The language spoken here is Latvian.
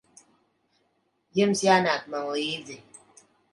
Jums jānāk man līdzi.